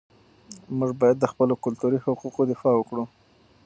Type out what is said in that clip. موږ باید د خپلو کلتوري حقوقو دفاع وکړو.